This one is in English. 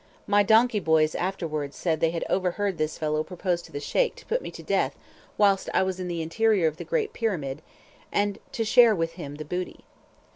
My donkey boys afterwards said they had overhead this fellow propose to the Sheik to put me to death whilst I was in the interior of the great Pyramid, and to share with him the booty.